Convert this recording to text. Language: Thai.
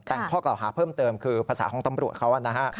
แต่งข้อเกลาหาเพิ่มเติมคือภาษาห้องตำรวจเขา